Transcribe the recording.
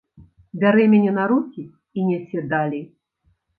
Бярэ мяне на рукі і нясе далей.